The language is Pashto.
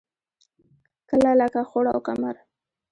کله لکه خوړ او کمر.